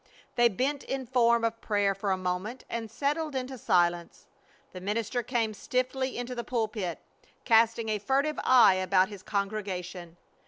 They bent in form of prayer for a moment and settled into silence. The minister came stiffly into the pulpit, casting a furtive eye about his congregation.